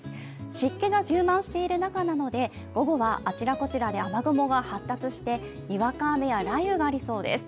湿気が充満している中なので午後はあちらこちらで雨雲が発達してにわか雨や雷雨がありそうです。